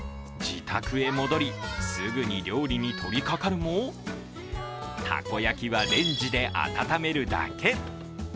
自宅へ戻り、すぐに料理にとりかかるも、たこ焼きはレンジで温めるだけ。